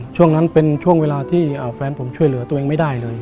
ช่วงนั้นเป็นช่วงเวลาที่แฟนผมช่วยเหลือตัวเองไม่ได้เลย